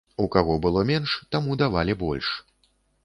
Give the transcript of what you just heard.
У каго было менш, таму давалі больш.